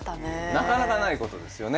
なかなかないことですよね